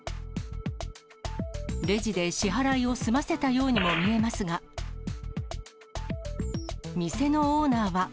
レジで支払いを済ませたようにも見えますが、店のオーナーは。